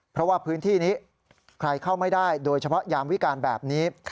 เพราะว่าพื้นที่นี้ใครเข้าไม่ได้โดยเฉพาะยามวิการแบบนี้